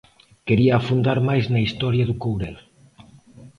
Quería afondar máis na historia do Courel.